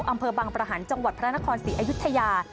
อำเภอบังประหันต์จังหวัดพระนครศรีอยุธยา